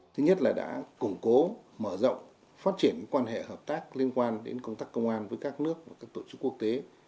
thứ nhất là đã củng cố mở rộng phát triển quan hệ hợp tác liên quan đến công tác công an với các nước và các tổ chức quốc tế